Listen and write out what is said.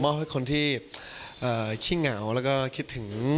มอบให้คนที่เอ่อขี้เหงาแล้วก็คิดถึง